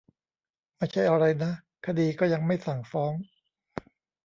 ไม่ใช่อะไรนะ คดีก็ยังไม่สั่งฟ้อง